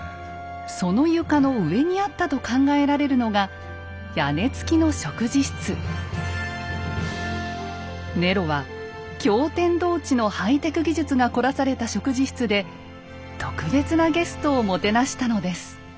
その床の上にあったと考えられるのがネロは驚天動地のハイテク技術が凝らされた食事室で特別なゲストをもてなしたのです。